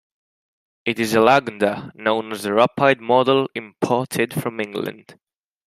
It is a Lagonda, known as the "Rapide" model, imported from England.